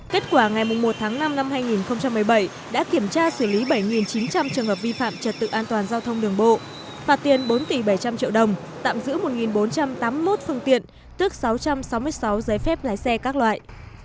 kết quả ngày một tháng năm năm hai nghìn một mươi bảy đã kiểm tra xử lý bảy chín trăm linh trường hợp vi phạm trật tự an toàn giao thông đường bộ phạt tiền bốn tỷ bảy trăm linh triệu đồng tạm giữ một bốn trăm tám mươi một phương tiện tức sáu trăm sáu mươi sáu giấy phép lái xe các loại